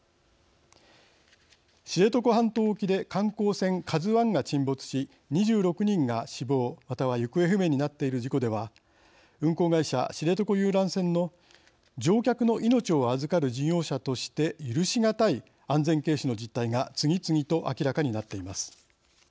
知床半島沖で観光船ＫＡＺＵＩが沈没し２６人が死亡、または行方不明になっている事故では運航会社、知床遊覧船の乗客の命を預かる事業者として許しがたい安全軽視の実態が次々と明らかになっています。